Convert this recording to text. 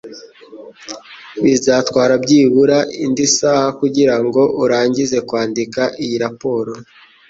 Bizatwara byibura indi saha kugirango urangize kwandika iyi raporo